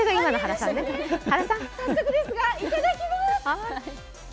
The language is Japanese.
早速ですが、いただきます。